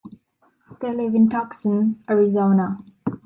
They live in Tucson, Arizona.